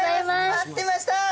待ってました。